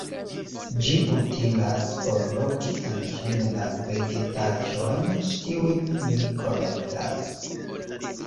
Ĝi utilas por loki en ĝin la vegetaĵojn, kiujn mi kolektas.